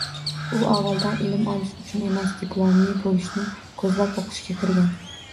U avvaldan ilm olish uchun emas, diplomli boʻlishni koʻzlab oʻqishga kirgan.